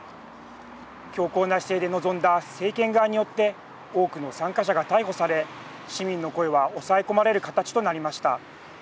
強硬な姿勢で臨んだ政権側によって多くの参加者が逮捕され市民の声は抑え込まれる形となりました。